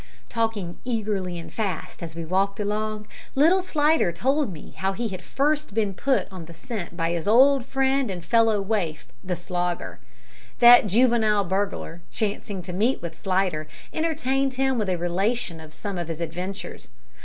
Talking eagerly and fast, as we walked along, little Slidder told me how he had first been put on the scent by his old friend and fellow waif, the Slogger. That juvenile burglar, chancing to meet with Slidder, entertained him with a relation of some of his adventures.